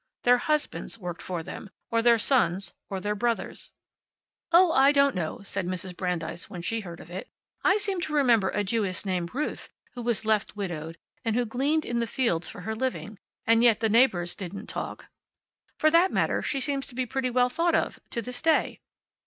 Their husbands worked for them, or their sons, or their brothers. "Oh, I don't know," said Mrs. Brandeis, when she heard of it. "I seem to remember a Jewess named Ruth who was left widowed, and who gleaned in the fields for her living, and yet the neighbors didn't talk. For that matter, she seems to be pretty well thought of, to this day."